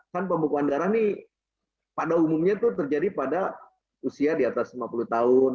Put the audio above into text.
kan pembekuan darah ini pada umumnya itu terjadi pada usia di atas lima puluh tahun